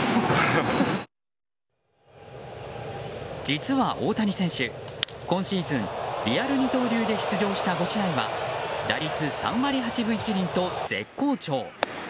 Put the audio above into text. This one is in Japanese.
実は大谷選手、今シーズンリアル二刀流で出場した５試合は打率３割８分１厘と絶好調。